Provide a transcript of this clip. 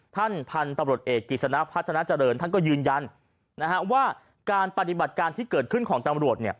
ท่านพันธุ์ตำรวจเอกกิจสนะพัฒนาเจริญท่านก็ยืนยันว่าการปฏิบัติการที่เกิดขึ้นของตำรวจ